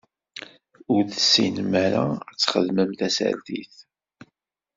Ur tessinem ara ad txedmem tasertit.